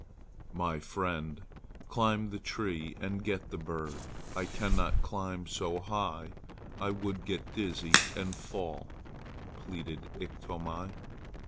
"My friend, climb the tree and get the bird. I cannot climb so high. I would get dizzy and fall," pleaded Iktomi.